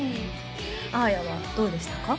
あーやはどうでしたか？